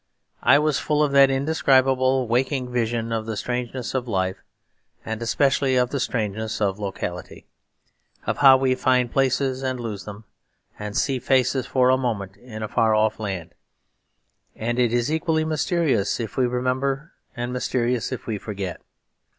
I was full of that indescribable waking vision of the strangeness of life, and especially of the strangeness of locality; of how we find places and lose them; and see faces for a moment in a far off land, and it is equally mysterious if we remember and mysterious if we forget.